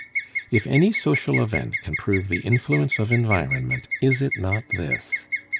If any social event can prove the influence of environment, is it not this?